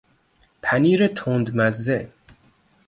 پنیر تندمزه